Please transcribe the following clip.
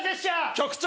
局長！